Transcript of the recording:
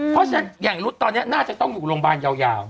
เพราะฉะนั้นอย่างรุ๊ดตอนนี้น่าจะต้องอยู่โรงพยาบาลยาว